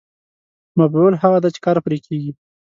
مفعول هغه دی چې کار پرې کېږي.